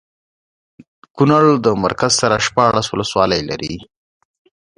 کونړ د مرکز سره شپاړس ولسوالۍ لري